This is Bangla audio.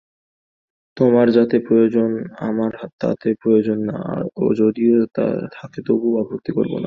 তোমার যাতে প্রয়োজন আমার তাতে প্রয়োজন না-ও যদি থাকে তবু আপত্তি করব না।